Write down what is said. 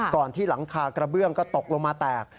หลังที่หลังคากระเบื้องก็ตกลงมาแตก